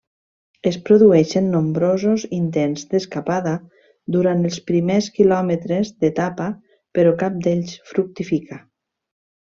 Es produeixen nombrosos intents d'escapada durant els primers quilòmetres d'etapa, però cap d'ells fructifica.